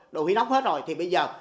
đồ hủy nóc hết rồi thì bây giờ